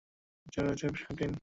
এ ছাড়া রয়েছে satin, poplin আর ডেনিম।